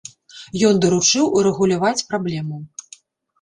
Ён даручыў урэгуляваць праблему.